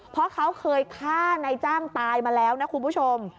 เพราะเขาเคยฆ่านายจ้างตายมาแล้วนะคุณผู้ชม